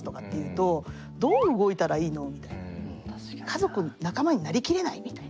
家族仲間になりきれないみたいな。